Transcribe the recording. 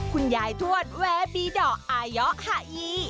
คุณยายทวดแวร์บีดอกอายะหะยี